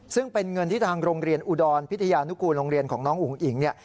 ซึ่งเป็นเงินที่ทางโรงเรียนอุดรพิทยานุกูลโรงเรียนของน้องอุ๋งอิ๋งเนี่ย